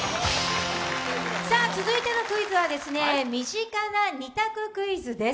続いてのクイズは、身近な二択クイズです。